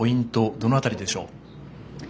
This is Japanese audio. どの辺りでしょう。